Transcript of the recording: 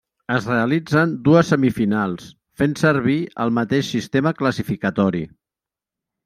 Es realitzen dues semifinals, fent servir el mateix sistema classificatori.